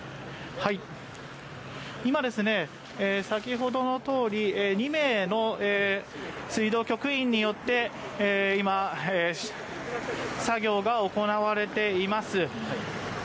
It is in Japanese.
先ほどのとおり２名の水道局員によって作業が行われています。